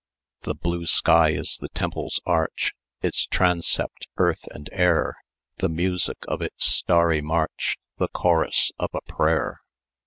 "The blue sky is the temple's arch, Its transept earth and air, The music of its starry march The chorus of a prayer."